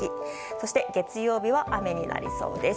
そして月曜日は雨になりそうです。